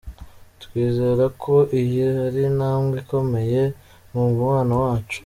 Twizera ko iyi ari intambwe ikomeye mu mubano wacu.